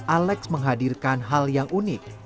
alex menghadirkan hal yang unik